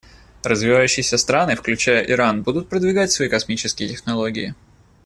Развивающиеся страны, включая Иран, будут продвигать свои космические технологии.